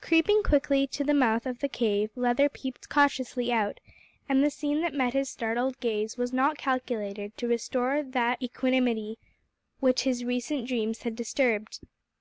Creeping quickly to the mouth of the cave Leather peeped cautiously out, and the scene that met his startled gaze was not calculated to restore that equanimity which his recent dreams had disturbed.